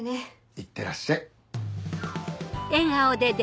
いってらっしゃい。